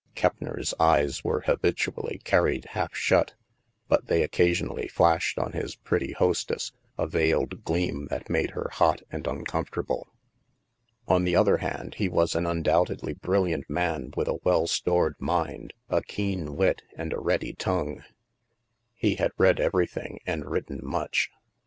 Keppner's eyes were habitually carried half shut, but they occasionally flashed on his pretty hostess a veiled gleam that made her hot and uncomfortable. On the other hand, he was an undoubtedly bril liant man with a well stored mind, a keen wit, and a ready tongue. He had read everything and writ ten much.